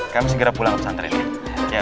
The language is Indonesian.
kami segera pulang pesantren ya